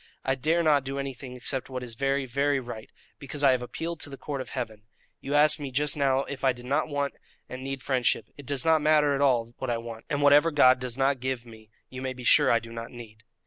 I dare not do anything except what is very, very right, because I have appealed to the Court of Heaven. You asked me just now if I did not want and need friendship; it does not matter at all what I want, and whatever God does not give me you may be sure I do not need."